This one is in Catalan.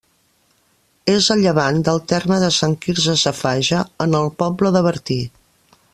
És a llevant del terme de Sant Quirze Safaja, en el del poble de Bertí.